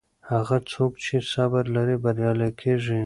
هغه څوک چې صبر لري بریالی کیږي.